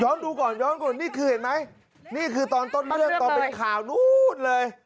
ดูก่อนย้อนก่อนนี่คือเห็นไหมนี่คือตอนต้นเรื่องตอนเป็นข่าวนู้นเลย